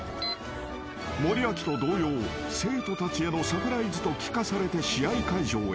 ［森脇と同様生徒たちへのサプライズと聞かされて試合会場へ］